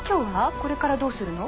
これからどうするの？